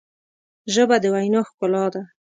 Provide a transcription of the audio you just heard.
ژبه د وینا ښکلا ده